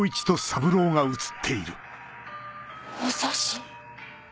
武蔵！